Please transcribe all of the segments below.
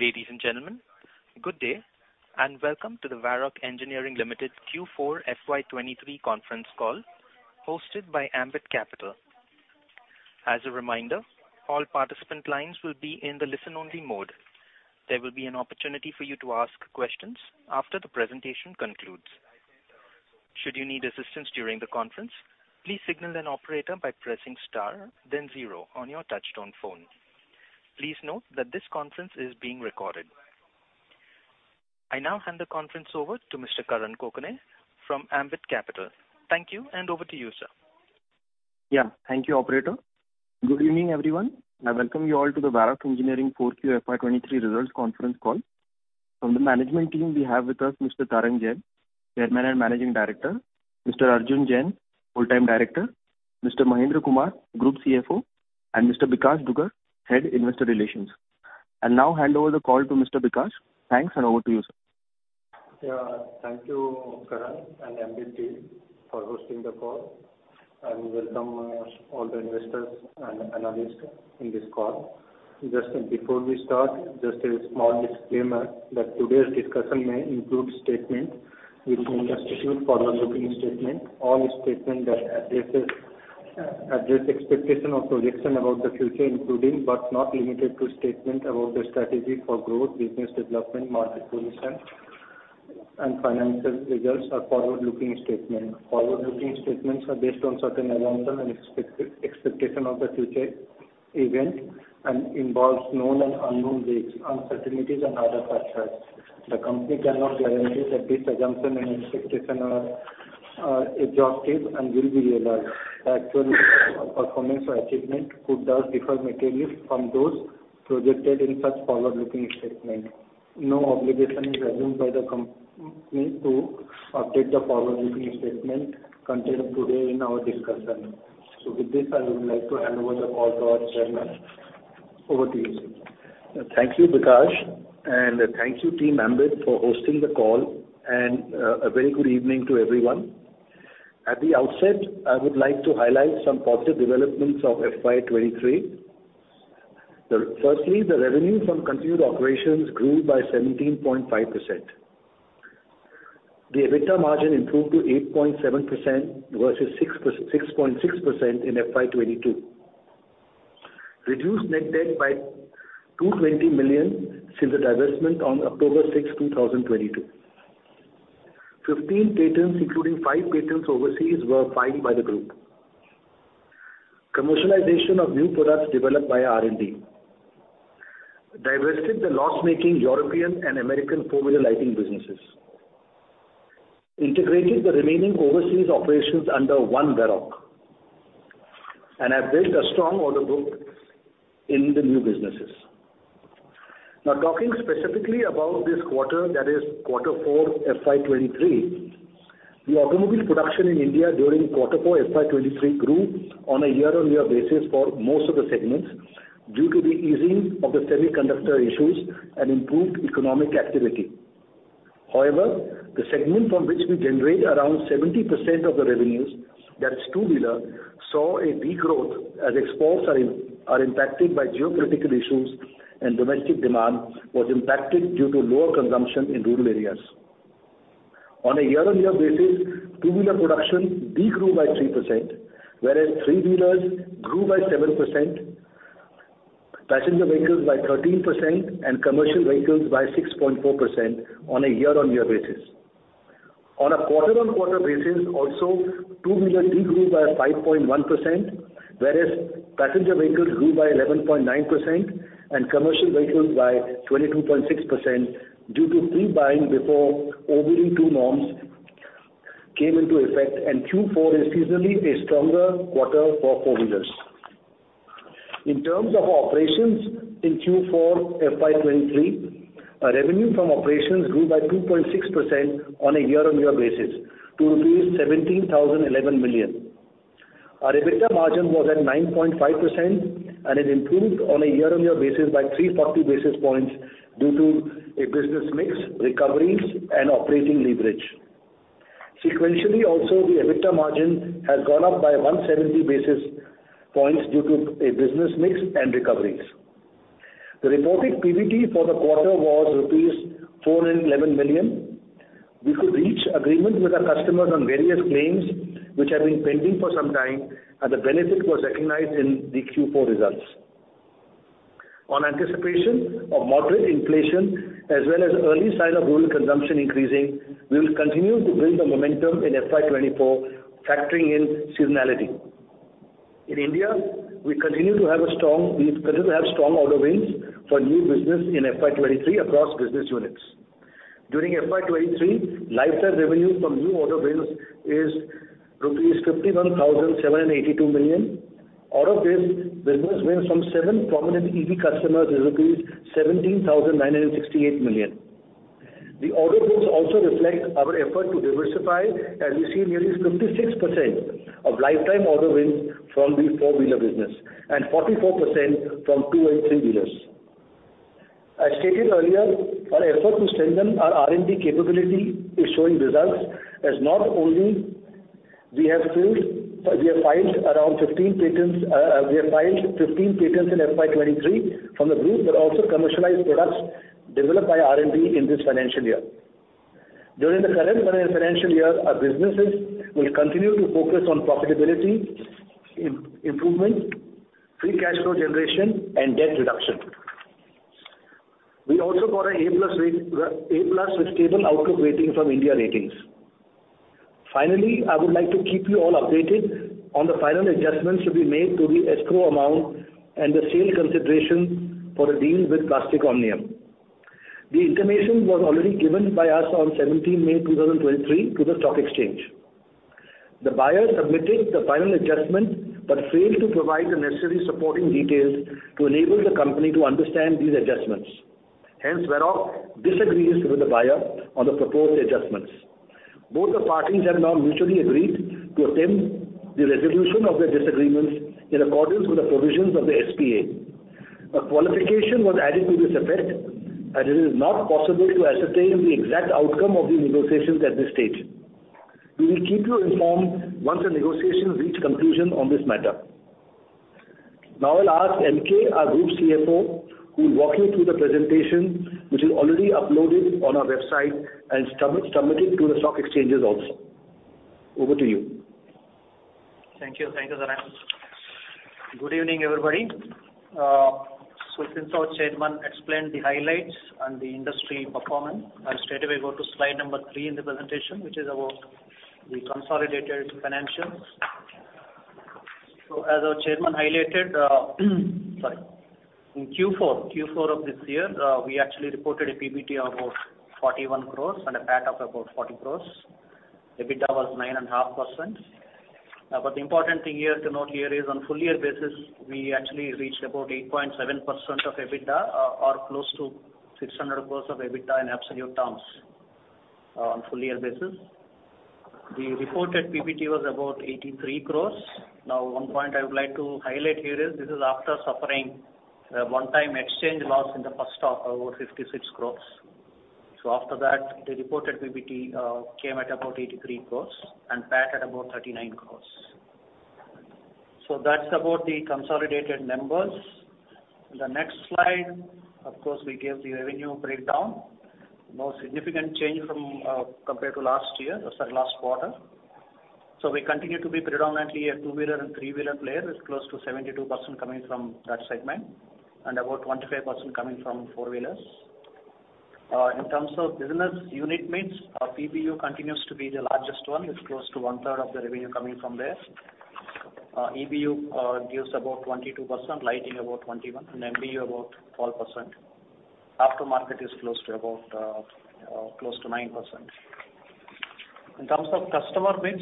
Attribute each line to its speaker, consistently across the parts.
Speaker 1: Ladies and gentlemen, good day, and welcome to the Varroc Engineering Limited Q4 FY 2023 Conference Call hosted by Ambit Capital. As a reminder, all participant lines will be in the listen-only mode. There will be an opportunity for you to ask questions after the presentation concludes. Should you need assistance during the conference, please signal an operator by pressing Star then Zero on your touchtone phone. Please note that this conference is being recorded. I now hand the conference over to Mr. Karan Kokane from Ambit Capital. Thank you, and over to you, sir.
Speaker 2: Yeah. Thank you, operator. Good evening, everyone. I welcome you all to the Varroc Engineering 4Q FY23 results conference call. From the management team we have with us Mr. Tarang Jain, Chairman and Managing Director, Mr. Arjun Jain, Full-time Director, Mr. Mahendra Kumar, Group CFO, and Mr. Bikash Dugar, Head, Investor Relations. I'll now hand over the call to Mr. Bikash. Thanks. Over to you, sir.
Speaker 3: Yeah. Thank you, Karan and Ambit team for hosting the call. Welcome, all the investors and analysts in this call. Just before we start, just a small disclaimer that today's discussion may include statements which may constitute forward-looking statements. All statements that address expectation or projection about the future including, but not limited to, statements about the strategy for growth, business development, market position, and financial results are forward-looking statements. Forward-looking statements are based on certain assumptions and expectation of the future events and involves known and unknown risks, uncertainties and other factors. The company cannot guarantee that these assumptions and expectations are exhaustive and will be realized. Actual performance or achievement could thus differ materially from those projected in such forward-looking statements. No obligation is assumed by the company to update the forward-looking statements contained today in our discussion. With this, I would like to hand over the call to our Chairman. Over to you, sir.
Speaker 4: Thank you, Bikash. Thank you, team Ambit, for hosting the call. A very good evening to everyone. At the outset, I would like to highlight some positive developments of FY 2023. Firstly, the revenue from continued operations grew by 17.5%. The EBITDA margin improved to 8.7% versus 6.6% in FY 2022. Reduced net debt by 220 million since the divestment on October 6, 2022. 15 patents, including five patents overseas, were filed by the group. Commercialization of new products developed by our R&D. Divested the loss-making European and American 4-wheeler lighting businesses. Integrated the remaining overseas operations under one Varroc, have built a strong order book in the new businesses. Talking specifically about this quarter, that is quarter four FY2023, the automobile production in India during quarter four FY2023 grew on a year-on-year basis for most of the segments due to the easing of the semiconductor issues and improved economic activity. The segment from which we generate around 70% of the revenues, that's 2-wheeler, saw a regrowth as exports are impacted by geopolitical issues and domestic demand was impacted due to lower consumption in rural areas. On a year-on-year basis, 2-wheeler production degrew by 3%, whereas 3-wheelers grew by 7%, passenger vehicles by 13% and commercial vehicles by 6.4% on a year-on-year basis. On a quarter-on-quarter basis also, 2-wheeler degrew by 5.1%, whereas passenger vehicles grew by 11.9% and commercial vehicles by 22.6% due to pre-buying before BS-VI norms came into effect. Q4 is seasonally a stronger quarter for 4-wheelers. In terms of operations in Q4 FY 2023, our revenue from operations grew by 2.6% on a year-on-year basis to rupees 17,011 million. Our EBITDA margin was at 9.5% and it improved on a year-on-year basis by 340 basis points due to a business mix, recoveries and operating leverage. Sequentially also, the EBITDA margin has gone up by 170 basis points due to a business mix and recoveries. The reported PBT for the quarter was rupees 411 million. We could reach agreement with our customers on various claims which had been pending for some time, and the benefit was recognized in the Q4 results. On anticipation of moderate inflation as well as early signs of rural consumption increasing, we will continue to build the momentum in FY 2024, factoring in seasonality. In India, we continue to have strong order wins for new business in FY 2023 across business units. During FY 2023, lifetime revenue from new order wins is rupees 51,782 million. Out of this, business wins from seven prominent EV customers is rupees 17,968 million. The order books also reflect our effort to diversify, as we see nearly 56% of lifetime order wins from the 4-wheeler business and 44% from 2 and 3-wheelers. As stated earlier, our effort to strengthen our R&D capability is showing results as not only we have filed 15 patents in FY 2023 from the group that also commercialize products developed by R&D in this financial year. During the current financial year, our businesses will continue to focus on profitability, improvement, free cash flow generation and debt reduction. We also got a IND A+ with stable outlook rating from India Ratings. Finally, I would like to keep you all updated on the final adjustments to be made to the escrow amount and the sale consideration for the deal with Plastic Omnium. The intimation was already given by us on May 17, 2023 to the stock exchange. The buyer submitted the final adjustment, but failed to provide the necessary supporting details to enable the company to understand these adjustments. Varroc disagrees with the buyer on the proposed adjustments. Both the parties have now mutually agreed to attempt the resolution of their disagreements in accordance with the provisions of the SPA. A qualification was added to this effect. It is not possible to ascertain the exact outcome of the negotiations at this stage. We will keep you informed once the negotiations reach conclusion on this matter. I'll ask MK, our Group CFO, who will walk you through the presentation, which is already uploaded on our website and submitted to the stock exchanges also. Over to you.
Speaker 5: Thank you. Thank you, Sir. Good evening, everybody. Since our Chairman explained the highlights and the industry performance, I'll straightaway go to slide 3 in the presentation, which is about the consolidated financials. As our Chairman highlighted, sorry. In Q4 of this year, we actually reported a PBT of about 41 crores and a PAT of about 40 crores. EBITDA was 9.5%. The important thing here to note here is on full year basis, we actually reached about 8.7% of EBITDA, or close to 600 crores of EBITDA in absolute terms, on full year basis. The reported PBT was about 83 crores. One point I would like to highlight here is this is after suffering a one-time exchange loss in the first half, about 56 crores. After that, the reported PBT came at about 83 crores and PAT at about 39 crores. That's about the consolidated numbers. The next slide, of course, we gave the revenue breakdown. No significant change from compared to last year or sorry, last quarter. We continue to be predominantly a 2-wheeler and 3-wheeler player. It's close to 72% coming from that segment and about 25% coming from 4-wheelers. In terms of business unit mix, our PBU continues to be the largest one. It's close to 1/3 of the revenue coming from there. EBU gives about 22%, lighting about 21%, and MBU about 12%. Aftermarket is close to about close to 9%. In terms of customer mix,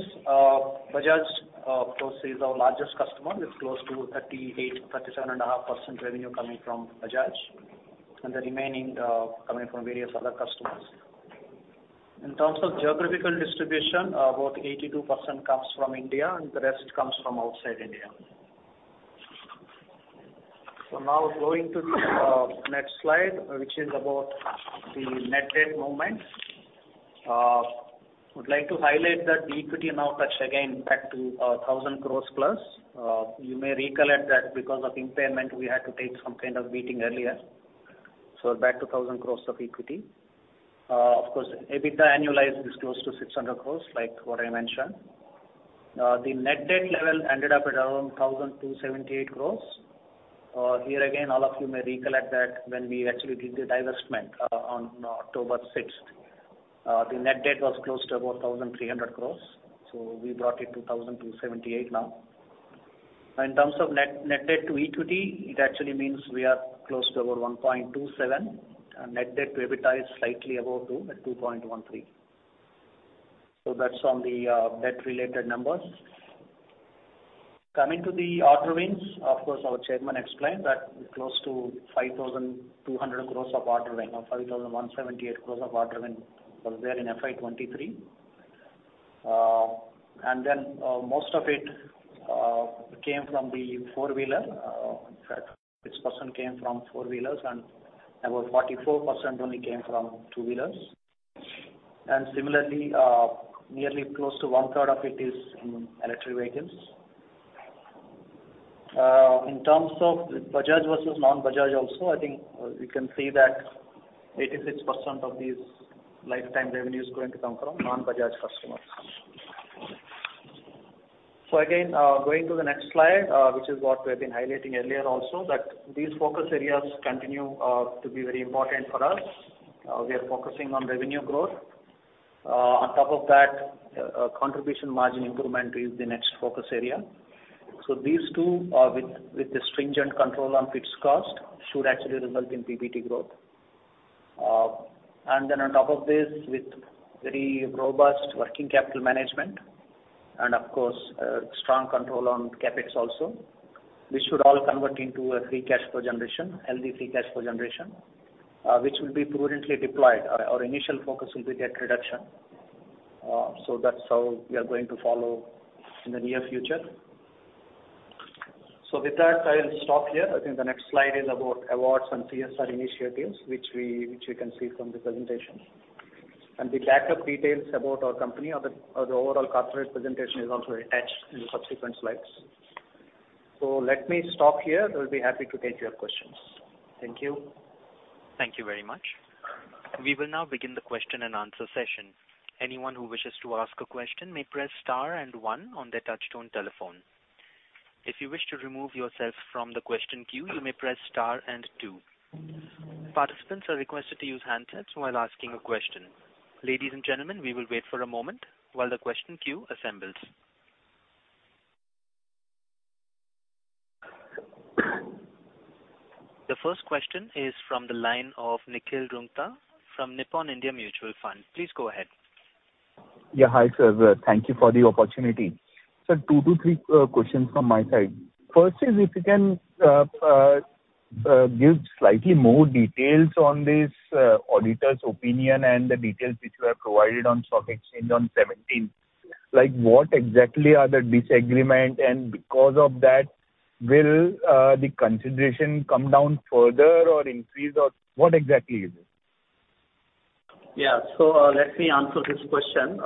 Speaker 5: Bajaj, of course, is our largest customer. It's close to 38%, 37.5% revenue coming from Bajaj and the remaining coming from various other customers. In terms of geographical distribution, about 82% comes from India and the rest comes from outside India. Now going to the next slide, which is about the net debt movements. Would like to highlight that the equity now touched again back to 1,000 crores plus. You may recollect that because of impairment, we had to take some kind of beating earlier. Back to 1,000 crores of equity. Of course, EBITDA annualized is close to 600 crores, like what I mentioned. The net debt level ended up at around 1,278 crores. Here again, all of you may recollect that when we actually did the divestment, on October sixth, the net debt was close to about 1,300 crores. We brought it to 1,278 now. In terms of net debt to equity, it actually means we are close to about 1.27. Net debt to EBITDA is slightly above 2 at 2.13. That's on the debt related numbers. Coming to the order wins, of course, our chairman explained that close to 5,200 crores of order win or 5,178 crores of order win was there in FY23. Most of it came from the 4-wheeler. In fact, 60% came from 4-wheelers and about 44% only came from 2-wheelers. Similarly, nearly close to one-third of it is in electric vehicles. In terms of Bajaj versus non-Bajaj also, I think, we can see that 86% of these lifetime revenue is going to come from non-Bajaj customers. Again, going to the next slide, which is what we've been highlighting earlier also that these focus areas continue to be very important for us. We are focusing on revenue growth. On top of that, contribution margin improvement is the next focus area. These two, with the stringent control on fixed cost should actually result in PBT growth. Then on top of this, with very robust working capital management and of course, strong control on CapEx also, this should all convert into a free cash flow generation, healthy free cash flow generation, which will be prudently deployed. Our initial focus will be debt reduction. That's how we are going to follow in the near future. With that, I'll stop here. I think the next slide is about awards and CSR initiatives which we can see from the presentation. The backup details about our company or the overall corporate presentation is also attached in the subsequent slides. Let me stop here. I will be happy to take your questions. Thank you.
Speaker 1: Thank you very much. We will now begin the question and answer session. Anyone who wishes to ask a question may press star and 1 on their touch tone telephone. If you wish to remove yourself from the question queue, you may press star and 2. Participants are requested to use handsets while asking a question. Ladies and gentlemen, we will wait for a moment while the question queue assembles. The first question is from the line of Nikhil Rungta from Nippon India Mutual Fund. Please go ahead.
Speaker 6: Yeah, hi sir. Thank you for the opportunity. Sir, 2-3 questions from my side. First is if you can give slightly more details on this auditor's opinion and the details which you have provided on stock exchange on seventeenth. Like, what exactly are the disagreement and because of that will the consideration come down further or increase or what exactly is it?
Speaker 5: Let me answer this question.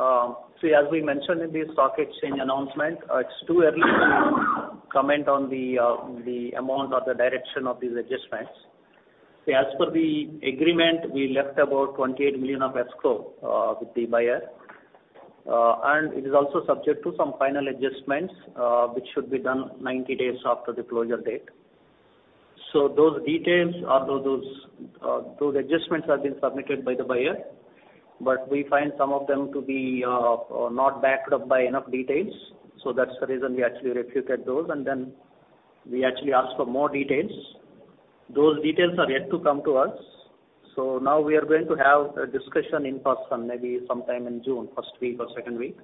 Speaker 5: As we mentioned in the stock exchange announcement, it's too early for me to comment on the amount or the direction of these adjustments. As per the agreement, we left about 28 million of escrow with the buyer. It is also subject to some final adjustments, which should be done 90 days after the closure date. Those details or those adjustments have been submitted by the buyer, but we find some of them to be not backed up by enough details, that's the reason we actually rejected those, we actually asked for more details. Those details are yet to come to us. Now we are going to have a discussion in person, maybe sometime in June, first week or second week.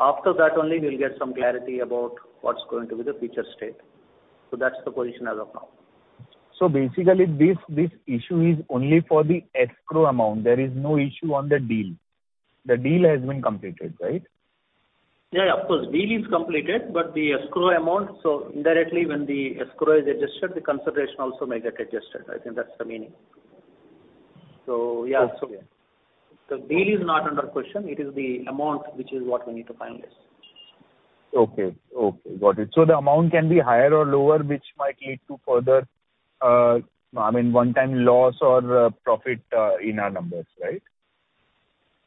Speaker 5: After that only we'll get some clarity about what's going to be the future state. That's the position as of now.
Speaker 6: Basically this issue is only for the escrow amount. There is no issue on the deal. The deal has been completed, right?
Speaker 5: Yeah, of course. Deal is completed, but the escrow amount, so indirectly when the escrow is adjusted, the consideration also may get adjusted. I think that's the meaning. Yeah.
Speaker 6: Okay.
Speaker 5: Deal is not under question. It is the amount which is what we need to finalize.
Speaker 6: Okay. Okay. Got it. The amount can be higher or lower, which might lead to further, I mean, one-time loss or profit in our numbers, right?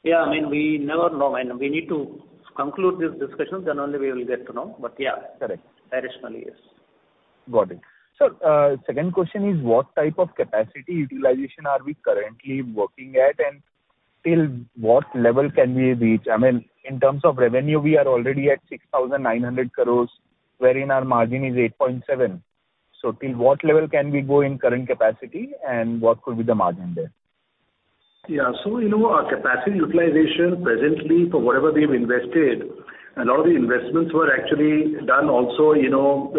Speaker 5: Yeah. I mean, we never know. I know we need to conclude this discussion, only we will get to know. Yeah.
Speaker 6: Correct.
Speaker 5: Directionally, yes.
Speaker 6: Got it. Second question is what type of capacity utilization are we currently working at and till what level can we reach? I mean, in terms of revenue, we are already at 6,900 crores, wherein our margin is 8.7%. Till what level can we go in current capacity and what could be the margin there?
Speaker 7: Yeah. You know, our capacity utilization presently for whatever we've invested, a lot of the investments were actually done also, you know,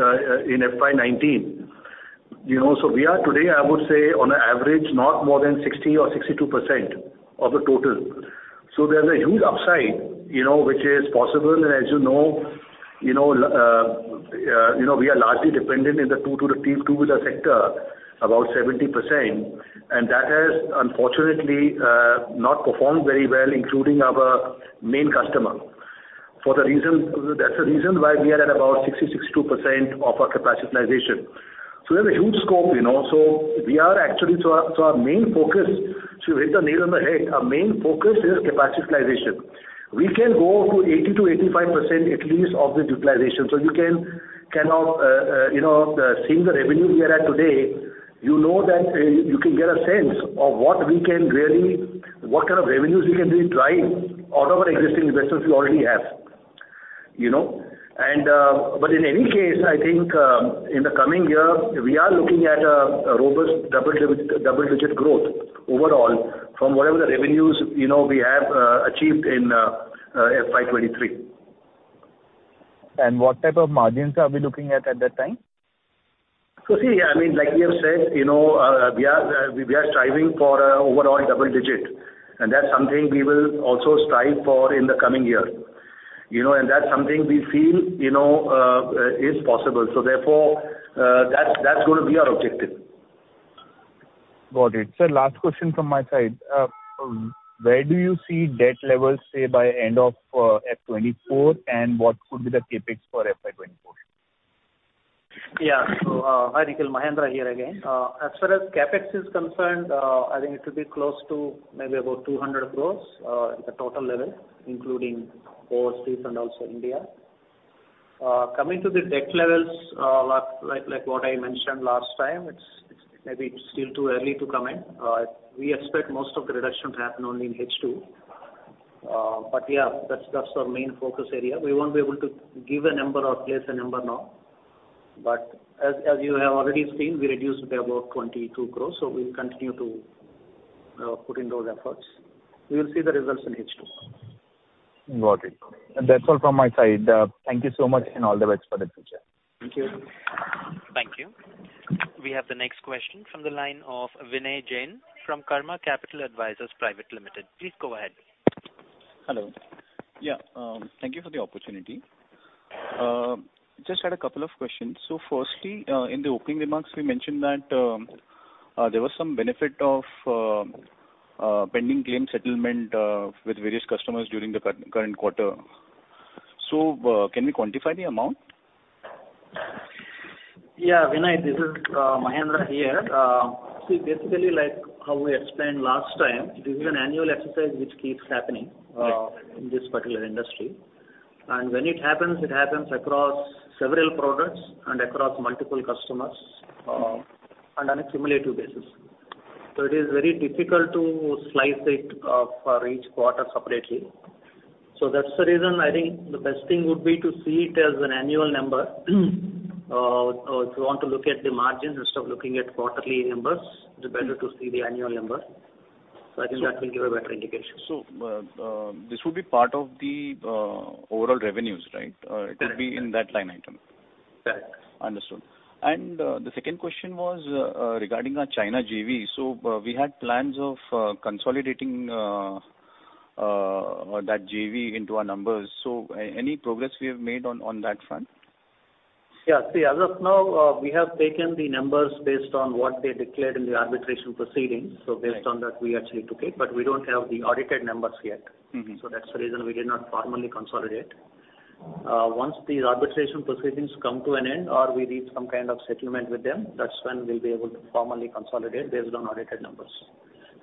Speaker 7: in FY 2019. We are today, I would say, on average, not more than 60% or 62% of the total. There's a huge upside, you know, which is possible. As you know, you know, we are largely dependent in the 2 to the 3, two wheel sector, about 70%, and that has unfortunately not performed very well, including our main customer. That's the reason why we are at about 60%, 62% of our capacity utilization. There's a huge scope, you know. Our main focus, to hit the nail on the head, our main focus is capacity utilization. We can go to 80%-85% at least of the utilization. You can, you know, seeing the revenue we are at today, you know that, you can get a sense of what we can really, what kind of revenues we can really drive out of our existing investments we already have. You know. In any case, I think, in the coming year, we are looking at a robust double-digit growth overall from whatever the revenues, you know, we have achieved in FY23.
Speaker 6: What type of margins are we looking at at that time?
Speaker 7: See, I mean, like we have said, you know, we are striving for overall double-digit. That's something we will also strive for in the coming year. You know, that's something we feel, you know, is possible. Therefore, that's gonna be our objective.
Speaker 6: Got it. Sir, last question from my side. Where do you see debt levels, say by end of FY 2024, and what could be the CapEx for FY 2024?
Speaker 5: Yeah. Hi Nikhil, Mahendra here again. As far as CapEx is concerned, I think it will be close to maybe about 200 crores, at the total level, including overseas and also India. Coming to the debt levels, last, like what I mentioned last time, it's maybe still too early to comment. We expect most of the reduction to happen only in H2. Yeah, that's our main focus area. We won't be able to give a number or place a number now. As you have already seen, we reduced by about 22 crores, so we'll continue to put in those efforts. We will see the results in H2.
Speaker 6: Got it. That's all from my side. Thank you so much and all the best for the future.
Speaker 5: Thank you.
Speaker 1: We have the next question from the line of Vinay Jain from Karma Capital Advisors Private Limited. Please go ahead.
Speaker 8: Hello. Yeah, thank you for the opportunity. Just had a couple of questions. Firstly, in the opening remarks, we mentioned that there was some benefit of pending claim settlement with various customers during the current quarter. Can we quantify the amount?
Speaker 5: Yeah, Vinay, this is Mahendra here. Basically, like how we explained last time, this is an annual exercise which keeps happening in this particular industry. When it happens, it happens across several products and across multiple customers and on a cumulative basis. It is very difficult to slice it for each quarter separately. That's the reason I think the best thing would be to see it as an annual number. If you want to look at the margins instead of looking at quarterly numbers, it's better to see the annual number. I think that will give a better indication.
Speaker 8: This would be part of the overall revenues, right?
Speaker 5: Correct.
Speaker 8: It would be in that line item.
Speaker 5: Correct.
Speaker 8: Understood. The second question was regarding our China JV. We had plans of consolidating that JV into our numbers. Any progress we have made on that front?
Speaker 5: See, as of now, we have taken the numbers based on what they declared in the arbitration proceedings.
Speaker 8: Right.
Speaker 5: Based on that, we actually took it, but we don't have the audited numbers yet.
Speaker 8: Mm-hmm.
Speaker 5: That's the reason we did not formally consolidate. Once the arbitration proceedings come to an end or we reach some kind of settlement with them, that's when we'll be able to formally consolidate based on audited numbers.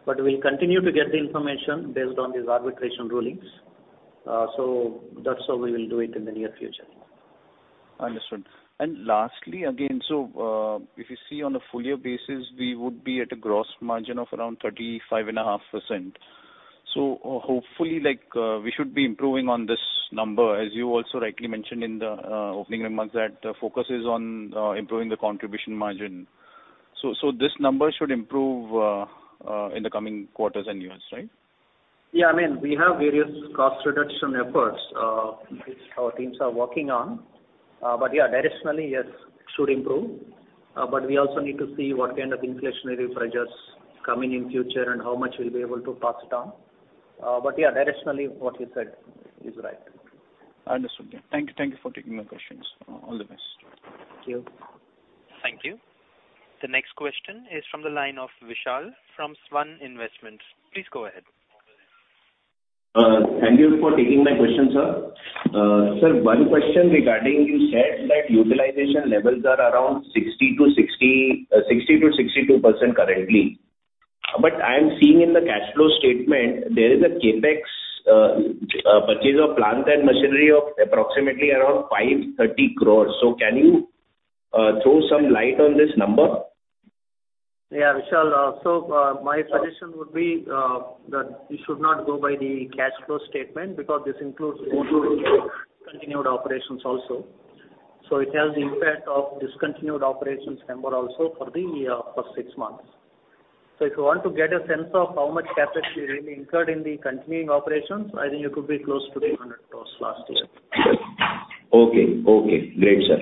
Speaker 5: We'll continue to get the information based on these arbitration rulings. That's how we will do it in the near future.
Speaker 8: Understood. Lastly, again, if you see on a full year basis, we would be at a gross margin of around 35.5%. Hopefully, like, we should be improving on this number, as you also rightly mentioned in the opening remarks that focus is on improving the contribution margin. This number should improve in the coming quarters and years, right?
Speaker 5: Yeah, I mean, we have various cost reduction efforts, which our teams are working on. Yeah, directionally, yes, it should improve. We also need to see what kind of inflationary pressures coming in future and how much we'll be able to pass it on. Yeah, directionally, what you said is right.
Speaker 8: Understood. Yeah. Thank you. Thank you for taking my questions. All the best.
Speaker 5: Thank you.
Speaker 1: Thank you. The next question is from the line of Vishal from Svan Investments. Please go ahead.
Speaker 9: Thank you for taking my question, sir. Sir, one question regarding you said that utilization levels are around 60%-62% currently. I am seeing in the cash flow statement there is a CapEx purchase of plant and machinery of approximately around 530 crores. Can you throw some light on this number?
Speaker 5: Yeah, Vishal. My suggestion would be that you should not go by the cash flow statement because this includes both the discontinued operations also. It has the impact of discontinued operations number also for the for six months. If you want to get a sense of how much CapEx we really incurred in the continuing operations, I think it could be close to 300 crores last year.
Speaker 9: Okay. Okay. Great, sir.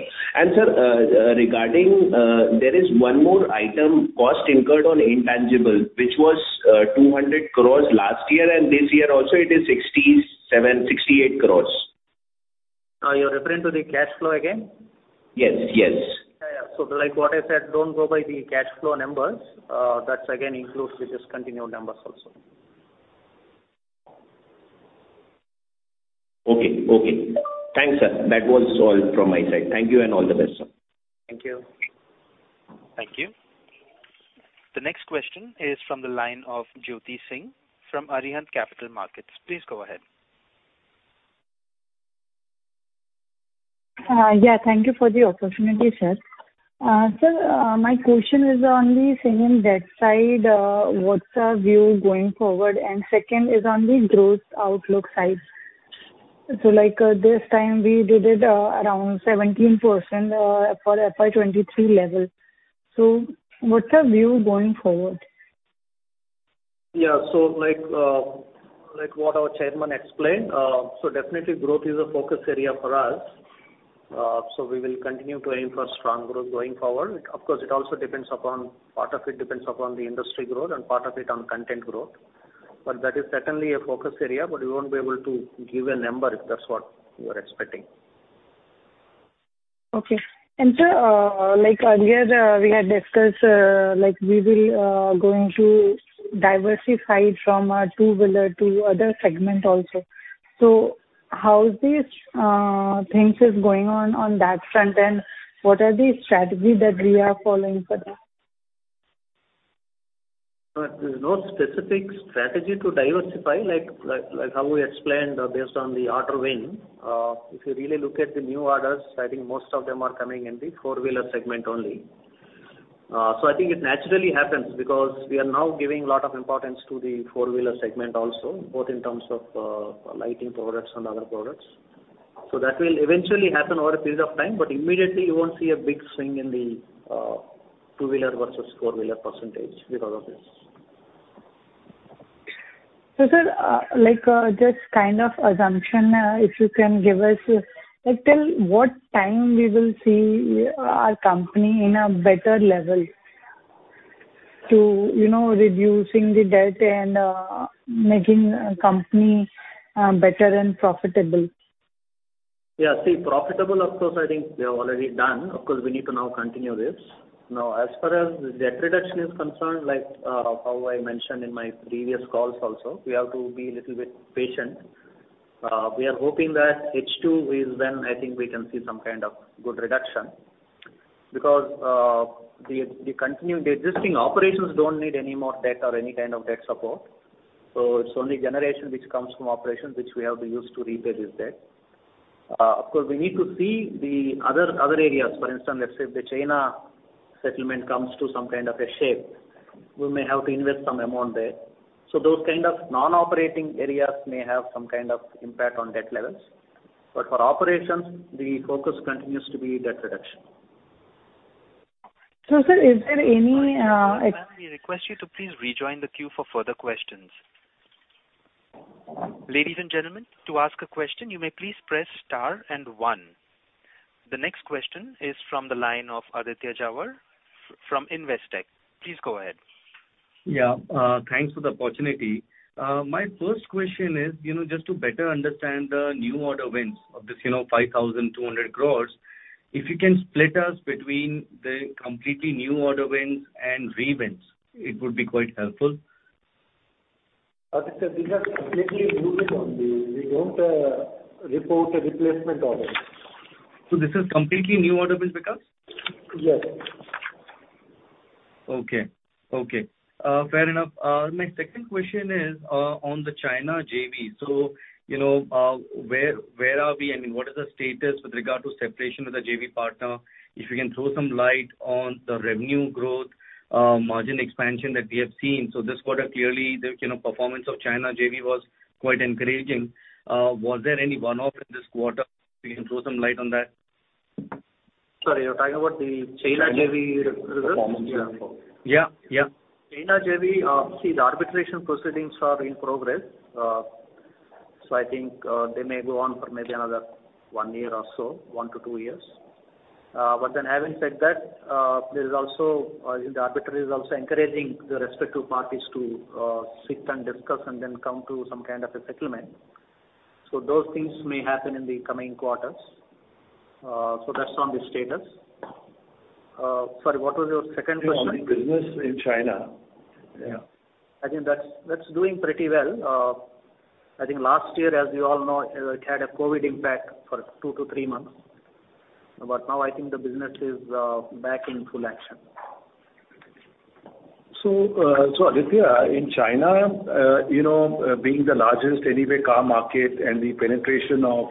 Speaker 9: Sir, regarding there is one more item, cost incurred on intangible, which was 200 crore last year, and this year also it is 67 crore-68 crore.
Speaker 5: You're referring to the cash flow again?
Speaker 9: Yes, yes.
Speaker 5: Yeah. Like what I said, don't go by the cash flow numbers. That again includes the discontinued numbers also.
Speaker 9: Okay. Okay. Thanks, sir. That was all from my side. Thank you and all the best, sir.
Speaker 5: Thank you.
Speaker 1: Thank you. The next question is from the line of Jyoti Singh from Arihant Capital Markets. Please go ahead.
Speaker 10: Yeah, thank you for the opportunity, sir. Sir, my question is on the same debt side, what's our view going forward? Second is on the growth outlook side. Like, this time we did it around 17% for FY 2023 level. What's our view going forward?
Speaker 5: Yeah. Like, like what our chairman explained, definitely growth is a focus area for us. We will continue to aim for strong growth going forward. Of course, it also depends upon, part of it depends upon the industry growth and part of it on content growth. That is certainly a focus area, but we won't be able to give a number if that's what you are expecting.
Speaker 10: Okay. sir, like earlier, we had discussed, like we will going to diversify from 2-wheeler to other segment also. how is this things is going on that front end? What are the strategy that we are following for that?
Speaker 5: There's no specific strategy to diversify like how we explained based on the order win. If you really look at the new orders, I think most of them are coming in the 4-wheeler segment only. I think it naturally happens because we are now giving lot of importance to the 4-wheeler segment also, both in terms of lighting products and other products. That will eventually happen over a period of time, but immediately you won't see a big swing in the 2-wheeler versus 4-wheeler percentage because of this.
Speaker 10: Sir, like, just kind of assumption, if you can give us, like till what time we will see, our company in a better level to, you know, reducing the debt and making company better and profitable?
Speaker 5: Profitable, of course, I think we have already done. Of course, we need to now continue this. As far as the debt reduction is concerned, like how I mentioned in my previous calls also, we have to be little bit patient. We are hoping that H2 is when I think we can see some kind of good reduction. The existing operations don't need any more debt or any kind of debt support. It's only generation which comes from operations which we have to use to repay this debt. Of course, we need to see the other areas. For instance, let's say if the China settlement comes to some kind of a shape, we may have to invest some amount there. Those kind of non-operating areas may have some kind of impact on debt levels. For operations, the focus continues to be debt reduction.
Speaker 10: Sir, is there any...
Speaker 1: Ma'am, we request you to please rejoin the queue for further questions. Ladies and gentlemen, to ask a question, you may please press star and one. The next question is from the line of Aditya Jhawar from Investec. Please go ahead.
Speaker 11: Thanks for the opportunity. My first question is, you know, just to better understand the new order wins of this, you know, 5,200 crores, if you can split us between the completely new order wins and re-wins, it would be quite helpful.
Speaker 5: Aditya, these are completely new wins only. We don't report a replacement order.
Speaker 11: This is completely new order wins because?
Speaker 5: Yes.
Speaker 11: Okay. Okay. fair enough. My second question is on the China JV. you know, where are we? I mean, what is the status with regard to separation with the JV partner? If you can throw some light on the revenue growth, margin expansion that we have seen. This quarter, clearly the, you know, performance of China JV was quite encouraging. Was there any one-off in this quarter? If you can throw some light on that.
Speaker 5: Sorry, you're talking about the China JV performance.
Speaker 11: Yeah. Yeah.
Speaker 5: China JV, see the arbitration proceedings are in progress. I think, they may go on for maybe another 1 year or so, 1-2 years. Having said that, there is also, the arbitrator is also encouraging the respective parties to, sit and discuss and then come to some kind of a settlement. Those things may happen in the coming quarters. That's on the status. Sorry, what was your second question?
Speaker 11: Business in China. Yeah.
Speaker 5: I think that's doing pretty well. I think last year, as you all know, it had a COVID impact for 2-3 months. Now I think the business is back in full action.
Speaker 4: Aditya, in China, you know, being the largest anyway car market and the penetration of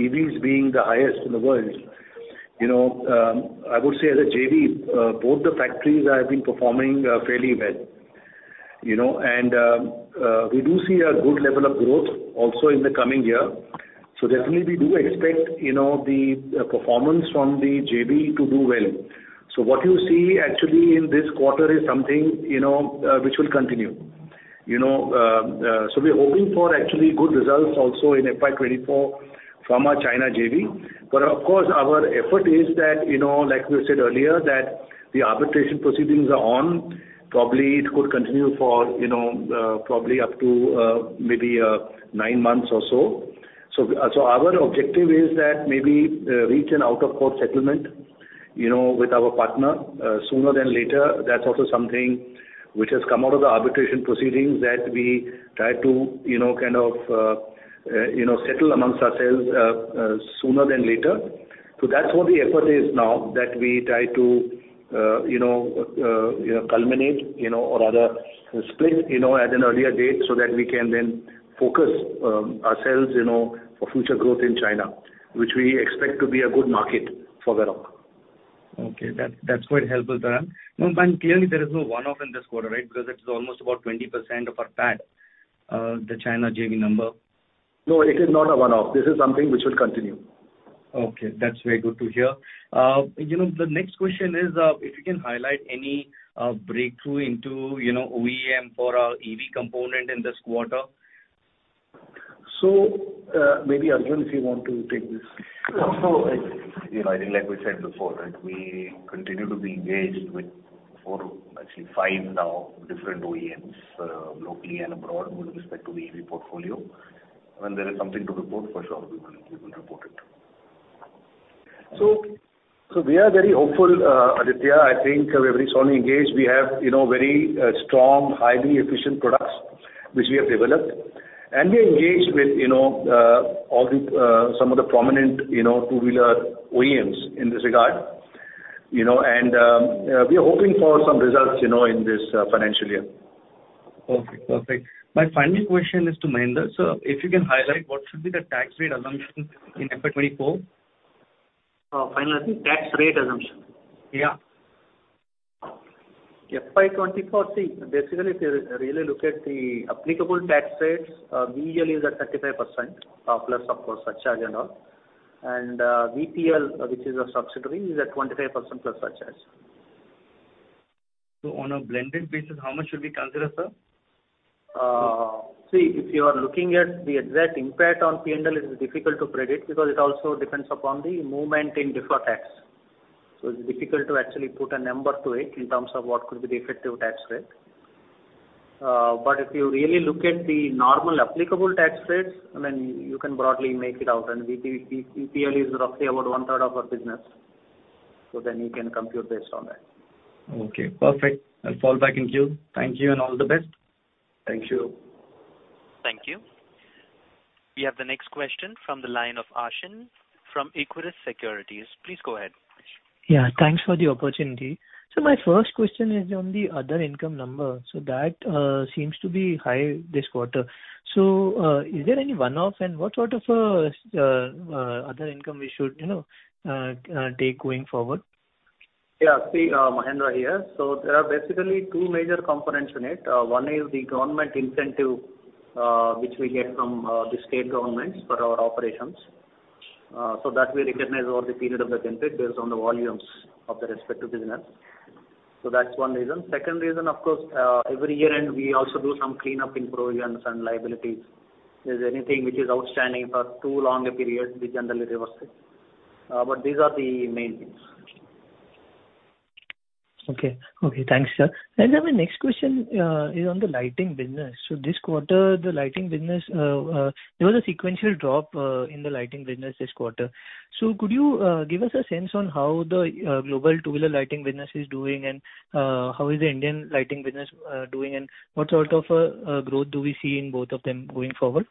Speaker 4: EVs being the highest in the world, you know, I would say as a JV, both the factories have been performing fairly well, you know. We do see a good level of growth also in the coming year. Definitely we do expect, you know, the performance from the JV to do well. What you see actually in this quarter is something, you know, which will continue. You know, we're hoping for actually good results also in FY 2024 from our China JV. Of course, our effort is that, you know, like we said earlier, that the arbitration proceedings are on. Probably it could continue for, you know, probably up to, maybe, nine months or so. Our objective is that maybe, reach an out of court settlement, you know, with our partner, sooner than later. That's also something which has come out of the arbitration proceedings that we try to, you know, kind of, you know, settle amongst ourselves, sooner than later. That's what the effort is now that we try to, you know, culminate, you know, or rather split, you know, at an earlier date so that we can then focus ourselves, you know, for future growth in China, which we expect to be a good market for Varroc.
Speaker 11: Okay. That's quite helpful, Tarang. Clearly there is no one-off in this quarter, right? Because it's almost about 20% of our PAT, the China JV number.
Speaker 4: No, it is not a one-off. This is something which would continue.
Speaker 11: Okay. That's very good to hear. You know, the next question is, if you can highlight any breakthrough into, you know, OEM for our EV component in this quarter?
Speaker 4: Maybe Arjun, if you want to take this.
Speaker 7: You know, I think like we said before, right, we continue to be engaged with four, actually five now, different OEMs, locally and abroad with respect to the EV portfolio. When there is something to report, for sure we will report it.
Speaker 4: We are very hopeful, Aditya. I think we're very strongly engaged. We have, you know, very strong, highly efficient products which we have developed. We're engaged with, you know, all the some of the prominent, you know, 2-wheeler OEMs in this regard. You know, we are hoping for some results, you know, in this financial year.
Speaker 11: Perfect. Perfect. My final question is to Mahendra. Sir, if you can highlight what should be the tax rate assumption in FY 2024?
Speaker 5: Final tax rate assumption?
Speaker 11: Yeah.
Speaker 5: FY 2024, basically if you really look at the applicable tax rates, VGL is at 35% plus of course surcharge and all. VPL, which is a subsidiary, is at 25% plus surcharge.
Speaker 11: On a blended basis, how much should we consider, sir?
Speaker 5: See, if you are looking at the exact impact on P&L, it's difficult to predict because it also depends upon the movement in deferred tax. It's difficult to actually put a number to it in terms of what could be the effective tax rate. If you really look at the normal applicable tax rates, then you can broadly make it out. P&L is roughly about one third of our business, then you can compute based on that.
Speaker 11: Okay, perfect. I'll fall back in queue. Thank you and all the best.
Speaker 4: Thank you.
Speaker 1: Thank you. We have the next question from the line of Aashin from Equirus Securities. Please go ahead.
Speaker 12: Yeah, thanks for the opportunity. My first question is on the other income number. That seems to be high this quarter. Is there any one-off and what sort of other income we should, you know, take going forward?
Speaker 5: Yeah. See, Mahendra here. There are basically two major components in it. One is the government incentive, which we get from the state governments for our operations. That we recognize over the period of the 10 years based on the volumes of the respective business. That's one reason. Second reason, of course, every year end, we also do some cleanup in provisions and liabilities. If there's anything which is outstanding for too long a period, we generally reverse it. But these are the main things.
Speaker 12: Okay. Okay. Thanks, sir. My next question is on the lighting business. This quarter, the lighting business, there was a sequential drop in the lighting business this quarter. Could you give us a sense on how the global 2-wheeler lighting business is doing and how is the Indian lighting business doing, and what sort of growth do we see in both of them going forward?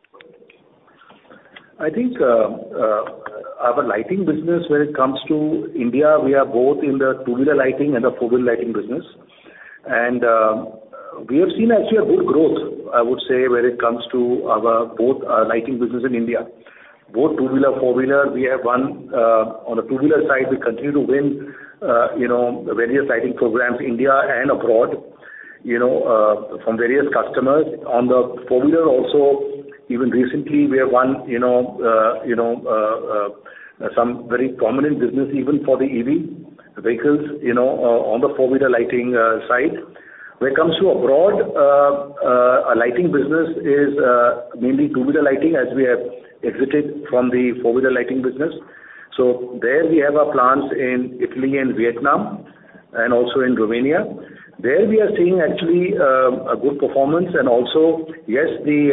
Speaker 4: I think, our lighting business when it comes to India, we are both in the 2-wheeler lighting and the 4-wheeler lighting business. We have seen actually a good growth, I would say, when it comes to our both lighting business in India. Both 2-wheeler, 4-wheeler, we have won on the 2-wheeler side, we continue to win, you know, various lighting programs, India and abroad, you know, from various customers. On the 4-wheeler also, even recently, we have won, you know, some very prominent business even for the EV vehicles, you know, on the 4-wheeler lighting side. When it comes to abroad, our lighting business is mainly 2-wheeler lighting as we have exited from the 4-wheeler lighting business. There we have our plants in Italy and Vietnam and also in Romania. There we are seeing actually, a good performance. Also, yes, the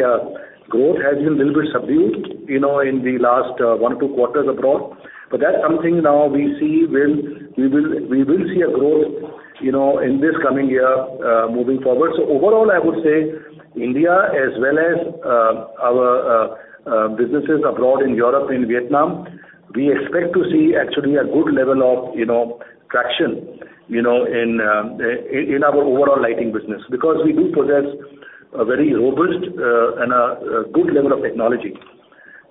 Speaker 4: growth has been a little bit subdued, you know, in the last one or two quarters abroad. That's something now we will see a growth, you know, in this coming year, moving forward. Overall, I would say India as well as our businesses abroad in Europe and Vietnam, we expect to see actually a good level of, you know, traction, you know, in our overall lighting business. We do possess a very robust and a good level of technology,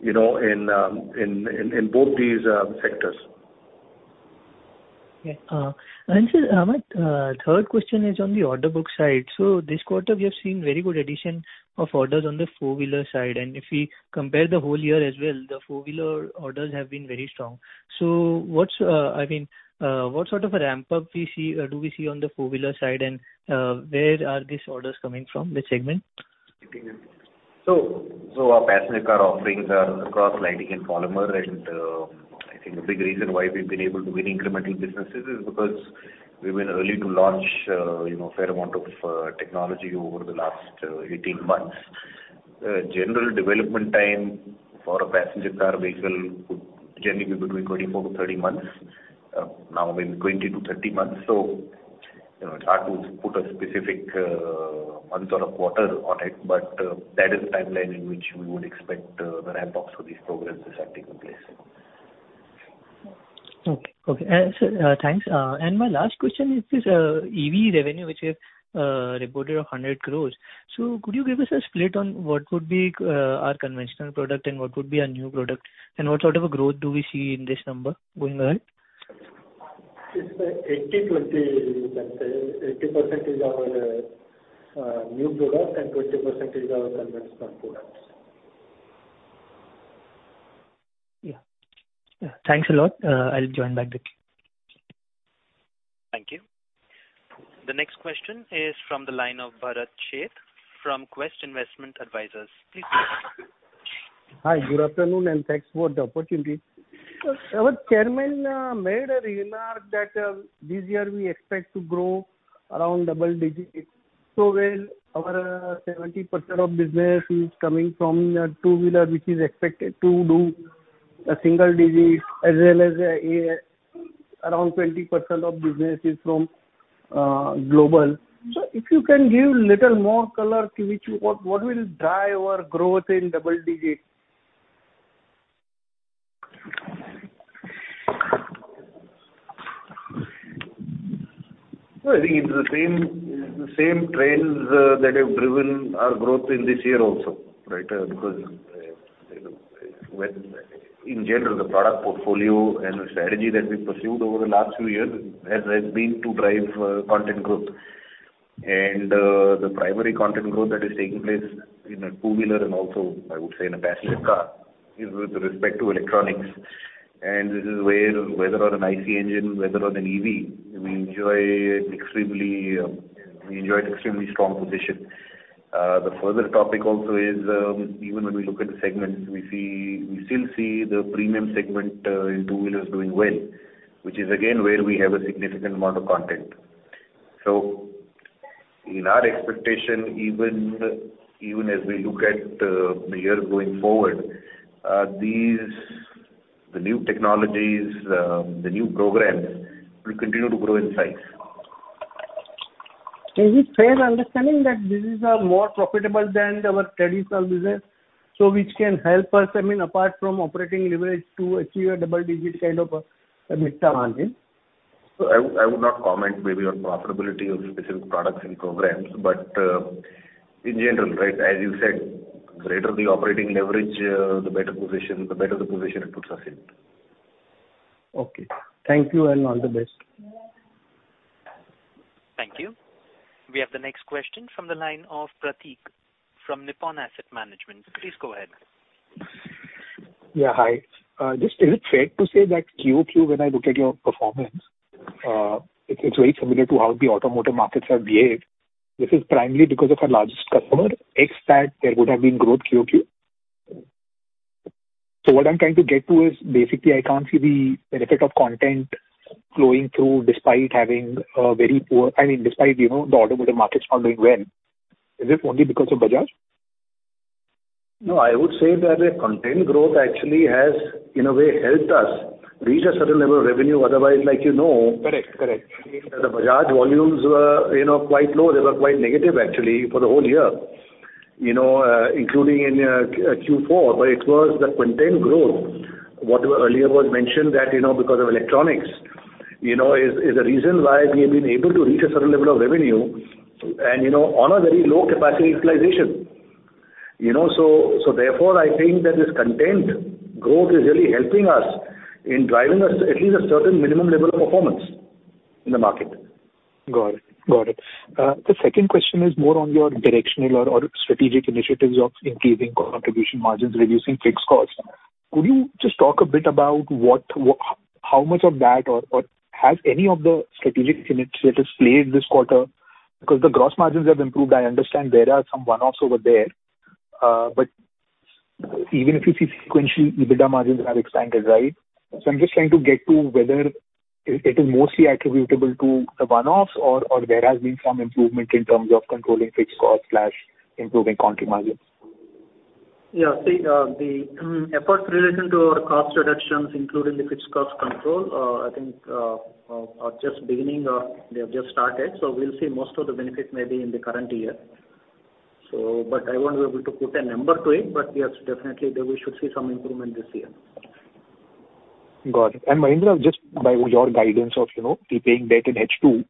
Speaker 4: you know, in both these sectors.
Speaker 12: Yeah. Sir, third question is on the order book side. This quarter we have seen very good addition of orders on the 4-wheeler side. If we compare the whole year as well, the 4-wheeler orders have been very strong. What's, I mean, what sort of a ramp-up do we see on the 4-wheeler side? Where are these orders coming from, which segment?
Speaker 7: Our passenger car offerings are across lighting and polymer. I think the big reason why we've been able to win incremental businesses is because we've been early to launch, you know, a fair amount of technology over the last 18 months. General development time for a passenger car vehicle would generally be between 24-30 months. Now maybe 20-30 months. You know, it's hard to put a specific month or a quarter on it, but that is the timeline in which we would expect the ramp-ups for these programs that are taking place.
Speaker 12: Okay. Okay. Sir, thanks. My last question is this EV revenue, which we have reported 100 crores. Could you give us a split on what would be our conventional product and what would be our new product? What sort of a growth do we see in this number going ahead?
Speaker 4: It's 80/20, you can say. 80% is our new products and 20% is our conventional products.
Speaker 12: Yeah. Yeah. Thanks a lot. I'll join back the queue.
Speaker 1: Thank you. The next question is from the line of Bharat Sheth from Quest Investment Advisors. Please go ahead.
Speaker 13: Hi. Good afternoon, and thanks for the opportunity. Sir, our chairman made a remark that this year we expect to grow around double digits. When our 70% of business is coming from the 2-wheeler, which is expected to do a single digits as well as around 20% of business is from global. If you can give little more color what will drive our growth in double digits?
Speaker 4: No, I think it's the same, the same trends, that have driven our growth in this year also, right? Because, you know, when in general, the product portfolio and the strategy that we pursued over the last few years has been to drive content growth. The primary content growth that is taking place in a 2-wheeler and also I would say in a passenger car is with respect to electronics. This is where whether on an IC engine, whether on an EV, we enjoy extremely strong position. The further topic also is, even when we look at the segments, we still see the premium segment, in 2-wheelers doing well, which is again, where we have a significant amount of content. In our expectation, even as we look at the year going forward, these, the new technologies, the new programs will continue to grow in size.
Speaker 13: Is it fair understanding that these are more profitable than our traditional business, which can help us, I mean, apart from operating leverage to achieve a double-digit kind of EBITDA margin?
Speaker 4: I would not comment maybe on profitability of specific products and programs, but in general, right, as you said, greater the operating leverage, the better the position it puts us in.
Speaker 13: Okay. Thank you and all the best.
Speaker 1: Thank you. We have the next question from the line of Prateek from Nippon Asset Management. Please go ahead.
Speaker 14: Yeah, hi. Just is it fair to say that QOQ, when I look at your performance, it's very similar to how the automotive markets have behaved. This is primarily because of our largest customer. Ex that there would have been growth QOQ. What I'm trying to get to is basically I can't see the benefit of content flowing through I mean, despite, you know, the automotive markets not doing well. Is it only because of Bajaj?
Speaker 4: No, I would say that the content growth actually has, in a way, helped us reach a certain level of revenue. Otherwise, like, you know.
Speaker 14: Correct. Correct.
Speaker 4: The Bajaj volumes were, you know, quite low. They were quite negative actually for the whole year, you know, including in Q4. It was the content growth, what earlier was mentioned that, you know, because of electronics, you know, is the reason why we have been able to reach a certain level of revenue and, you know, on a very low capacity utilization. Therefore, I think that this content growth is really helping us in driving us at least a certain minimum level of performance in the market.
Speaker 14: Got it. Got it. The second question is more on your directional or strategic initiatives of increasing contribution margins, reducing fixed costs. Could you just talk a bit about what how much of that or has any of the strategic initiatives played this quarter? The gross margins have improved. I understand there are some one-offs over there. Even if you see sequentially, EBITDA margins have expanded, right? I'm just trying to get to whether it is mostly attributable to the one-offs or there has been some improvement in terms of controlling fixed costs/improving country margins.
Speaker 5: The efforts related to our cost reductions, including the fixed cost control, I think, are just beginning or they have just started. We'll see most of the benefit maybe in the current year. I won't be able to put a number to it. Yes, definitely there we should see some improvement this year.
Speaker 14: Got it. Mahendra, just by your guidance of, you know, repaying debt in H2,